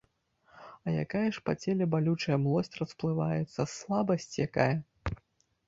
А якая ж па целе балючая млосць расплываецца, слабасць якая!